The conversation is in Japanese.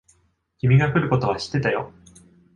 君が来ることは知ってたよ。